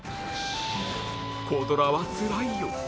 コ・ドラはつらいよ。